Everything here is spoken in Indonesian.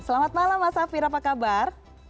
selamat malam mas safir apa kabar